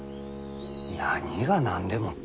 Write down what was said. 何が何でもって。